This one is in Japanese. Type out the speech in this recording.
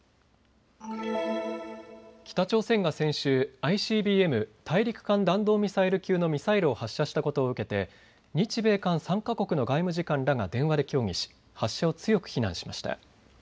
北朝鮮が先週、ＩＣＢＭ・大陸間弾道ミサイル級のミサイルを発射したことを受けて日米韓３か国の外務次官らが電話で協議し発射を強く非難しました。